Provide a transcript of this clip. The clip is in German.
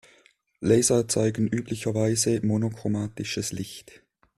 Laser erzeugen üblicherweise monochromatisches Licht.